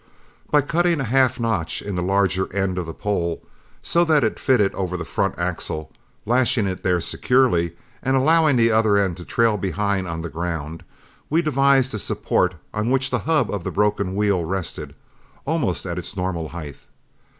By cutting a half notch in the larger end of the pole, so that it fitted over the front axle, lashing it there securely, and allowing the other end to trail behind on the ground, we devised a support on which the hub of the broken wheel rested, almost at its normal height.